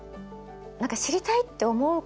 何か知りたいって思うこと。